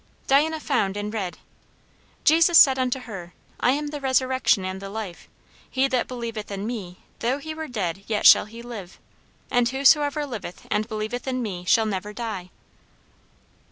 Diana found and read: "'Jesus said unto her, I am the resurrection and the life: he that believeth in me, though he were dead, yet shall he live. And whoesoever liveth and believeth in me, shall never die.'"